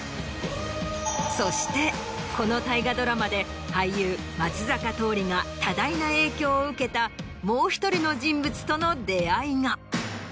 そしてこの大河ドラマで俳優松坂桃李が多大な影響を受けたもう１人の人物との出会いが。